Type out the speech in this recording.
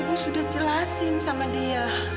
ibu sudah cerahin seharian sama dia